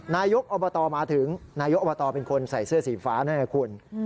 นายกอบตมาถึงนายกอบตเป็นคนใส่เสื้อสีฟ้านั่นไงคุณ